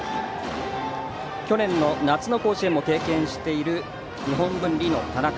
去年の夏の甲子園を経験している日本文理の田中。